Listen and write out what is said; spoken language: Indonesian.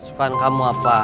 sukaan kamu apa